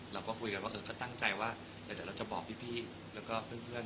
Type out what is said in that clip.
เราก็คุยกันตั้งใจว่าเราจะบอกพี่เพื่อน